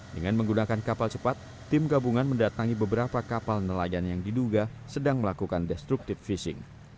dengan menggunakan kapal cepat tim gabungan mendatangi beberapa kapal nelayan yang diduga sedang melakukan destructive fishing